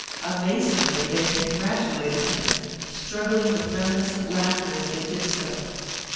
Amazingly they congratulated him, struggling with reminiscent laughter as they did so.